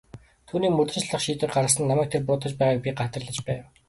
Түүнийг мөрдөн шалгах шийдвэр гаргасанд намайг тэр буруутгаж байгааг би гадарлаж байв.